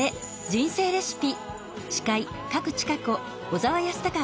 人生レシピ」。